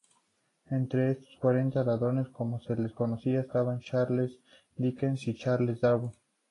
Entre estos "cuarenta ladrones", como se les conocía, estaban Charles Dickens y Charles Darwin.